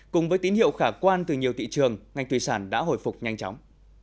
cùng với tín hiệu khả quan từ nhiều thị trường ngành thủy sản đã hồi phục nhanh chóng